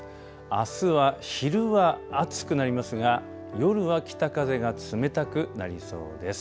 あすは昼は暑くなりますが夜は北風が冷たくなりそうです。